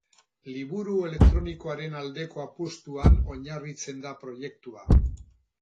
Liburu elektronikoaren aldeko apustuan oinarritzen da proiektua.